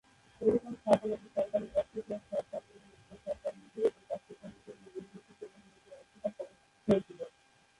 Telephone স্থাপন একটি সরকারী একচেটিয়া সরকার এবং সরকার নিজেই এই কাজটি গ্রহণ করবে এই ভিত্তিতে এই অনুমতি অস্বীকার করা হয়েছিল।